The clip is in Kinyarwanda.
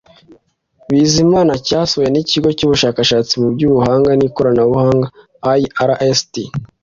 bizimana cyasohowe n'ikigo cy'ubushakashatsi mu by'ubuhanga n'ikoranabuhanga (irst